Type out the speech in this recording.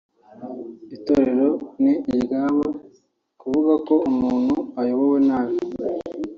Itorero ni iryabo kuvuga ko umuntu ayobowe nabi